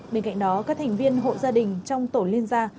bên cạnh đó các thành viên hộ gia đình trong tổ liên gia